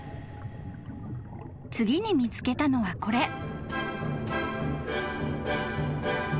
［次に見つけたのはこれ］